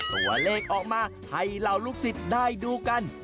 ตัวเลขออกมาให้เหล่าลูกศิษย์ได้ดูกัน